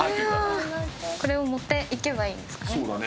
これを持っていけばいいんですかね？